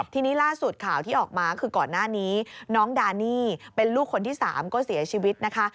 ทีนี้ล่าสุดข่าวที่ออกมาคือก่อนหน้านี้น้องดานี่เป็นลูกคนที่๓ก็เสียชีวิตนะคะ